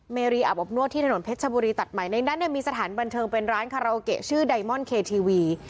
เมรีอาบอบนวดที่ถนนเพชรชบุรีตัดใหม่ในนั้นเนี่ยมีสถานบันเทิงเป็นร้านคาราโอเกะชื่อไดมอนเคทีวี